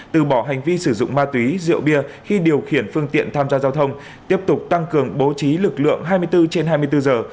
từ bỏ hành vi sử dụng ma túy rượu bia khi điều khiển phương tiện tham gia giao thông tiếp tục tăng cường bố trí lực lượng hai mươi bốn trên hai mươi bốn giờ